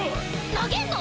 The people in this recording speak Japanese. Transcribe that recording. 投げんの？